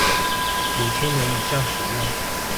五千人以上使用